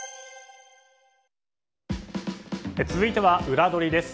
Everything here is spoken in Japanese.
続いてはウラどりです。